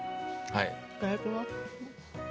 いただきます。